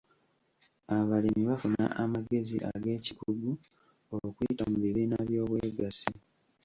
Abalimi bafuna amagezi ag'ekikugu okuyita mu bibiina by'obwegassi.